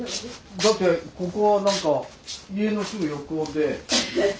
だってここは家のすぐ横で。